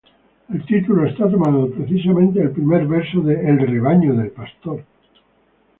El título está tomado precisamente del primer verso de "El rebaño del pastor".